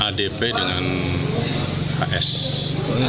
adp dengan hs